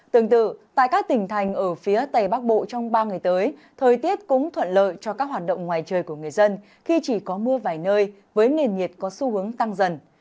tương tự tại các tỉnh thành ở phía tây bắc bộ trong ba ngày tới thời tiết cũng thuận lợi cho các hoạt động ngoài trời của người dân khi chỉ có mưa vài nơi với nền nhiệt có xu hướng tăng dần